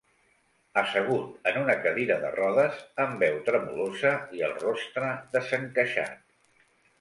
Assegut en una cadira de rodes, amb veu tremolosa i el rostre desencaixat.